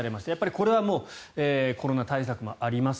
これはもうコロナ対策もあります